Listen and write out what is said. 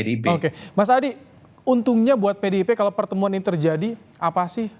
pdip oke mas adi untungnya buat pdip kalau pertemuan ini terjadi apa sih